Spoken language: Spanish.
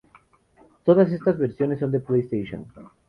Todas estas versiones son de PlayStation.